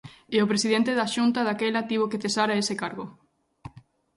E o presidente da Xunta daquela tivo que cesar a ese cargo.